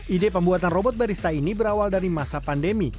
ide pembuatan robot barista ini berawal dari masa pandemi